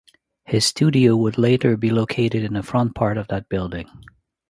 His studio would later be located in the front part of that building.